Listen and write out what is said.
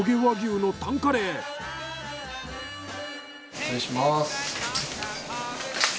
失礼します。